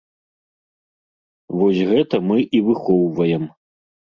Вось гэта мы і выхоўваем.